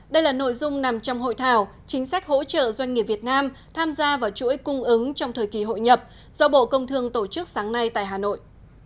đây là nội dung nằm trong hội thảo chính sách hỗ trợ doanh nghiệp việt nam tham gia vào chuỗi cung ứng trong thời kỳ hội nhập do bộ công thương tổ chức sáng nay tại hà nội